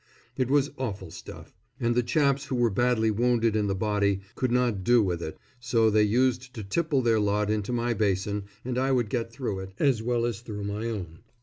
It was awful stuff, and the chaps who were badly wounded in the body could not do with it, so they used to tipple their lot into my basin and I would get through it, as well as through my own.